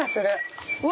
うわ！